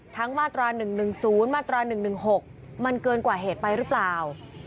มาตรา๑๑๐มาตรา๑๑๖มันเกินกว่าเหตุไปหรือเปล่า